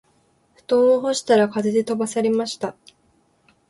布団を干したら風で飛ばされました